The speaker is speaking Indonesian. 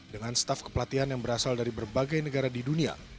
dengan staf kepelatihan yang berasal dari berbagai negara di dunia